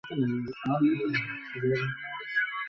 কজনই বা শিক্ষিত লোক!